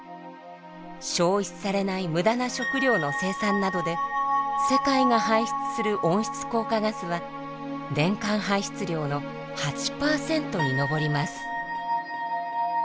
消費されない無駄な食料の生産などで世界が排出する温室効果ガスは年間排出量の８％に上ります。